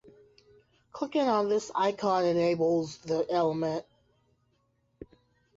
Clicking on this icon enables the element.